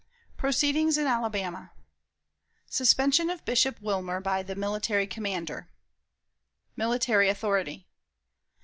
Proceedings in Alabama. Suspension of Bishop Wilmer by the Military Commander. Military Authority.